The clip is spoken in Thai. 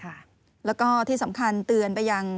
แล้วก็ที่สำคัญเตือนไปยัง